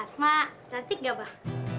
asma cantik gak abah